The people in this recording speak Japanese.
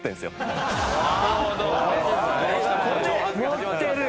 持ってるよ。